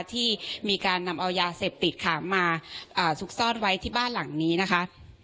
ที่มีการนำเอายาเสพติดค่ะมาซุกซ่อนไว้ที่บ้านหลังนี้นะคะ